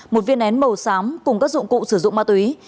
một viên nén màu xám cùng các dụng cụ sử dụng ma túy